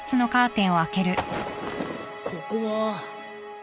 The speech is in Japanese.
ここは？